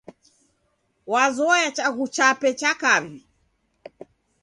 Wazoye chaghu chape cha kaw'i.